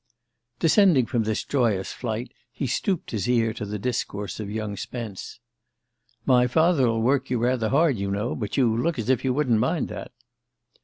Descending from this joyous flight he stooped his ear to the discourse of young Spence. "My father'll work you rather hard, you know: but you look as if you wouldn't mind that."